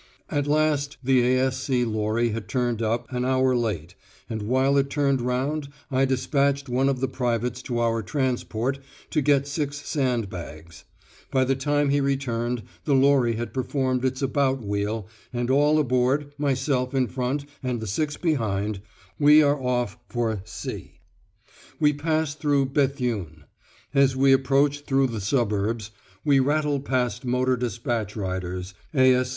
At last the A.S.C. lorry had turned up, an hour late, and while it turned round I despatched one of the privates to our transport to get six sand bags. By the time he returned the lorry had performed its about wheel, and, all aboard, myself in front and the six behind, we are off for C . We pass through Béthune. As we approach through the suburbs, we rattle past motor despatch riders, A.